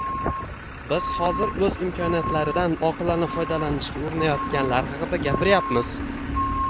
Biz hozir o‘z imkoniyatlaridan oqilona foydalanishga urinayotganlar haqida gapiryapmiz.